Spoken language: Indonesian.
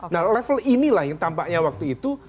nah level inilah yang tampaknya waktu itu